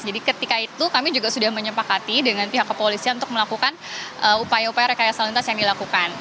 jadi ketika itu kami juga sudah menyepakati dengan pihak kepolisian untuk melakukan upaya upaya rekayasa lalu lintas yang dilakukan